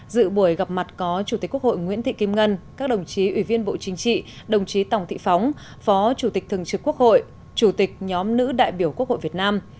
dự buổi gặp mặt có chủ tịch quốc hội nguyễn thị kim ngân các đồng chí ủy viên bộ chính trị đồng chí tòng thị phóng phó chủ tịch thường trực quốc hội chủ tịch nhóm nữ đại biểu quốc hội việt nam